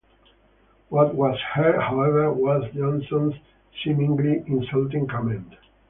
What was heard, however, was Jonsson's seemingly insulting comment.